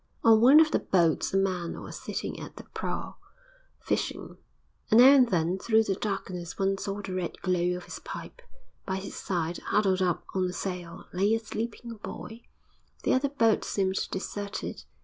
On one of the boats a man was sitting at the prow, fishing, and now and then, through the darkness, one saw the red glow of his pipe; by his side, huddled up on a sail, lay a sleeping boy. The other boat seemed deserted.